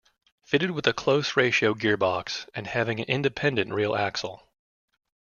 Fitted with a close-ratio gearbox and having an independent rear axle.